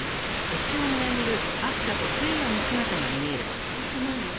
あの星何？